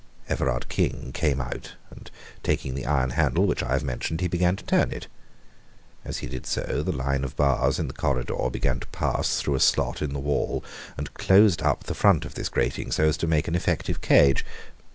Everard King came out, and taking the iron handle which I have mentioned, he began to turn it. As he did so the line of bars in the corridor began to pass through a slot in the wall and closed up the front of this grating, so as to make an effective cage.